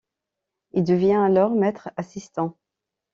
Il devient alors maitre-assistant.